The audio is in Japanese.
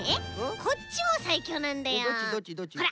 こっちもさいきょうなんだよ。ほら！